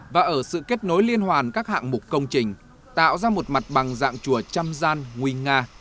và ở sự kết nối liên hoàn các hạng mục công trình tạo ra một mặt bằng dạng chùa trăm gian nguy nga